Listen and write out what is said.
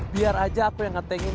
biar aja aku yang ngetengin